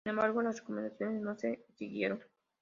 Sin embargo, las recomendaciones no se siguieron.